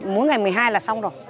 múa ngày một mươi hai là xong rồi